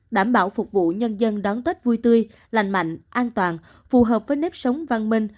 đảm bảo phục vụ nhân dân đón tết vui tươi lành mạnh an toàn phù hợp với nếp sống văn minh